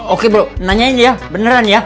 oke bu nanyain dia beneran ya